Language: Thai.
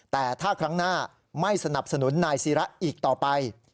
แต่ถ้าครั้งหน้าไม่สนับสนุนนายศิระอีกต่อไป